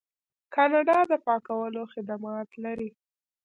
کاناډا د پاکولو خدمات لري.